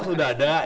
oh sudah ada